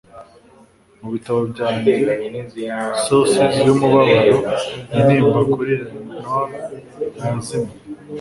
mubitabo byanjye surcease yumubabaro - intimba kuri lenore yazimiye